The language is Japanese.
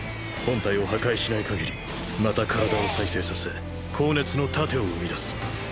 本体を破壊しない限りまた体を再生させ高熱の盾を生み出す。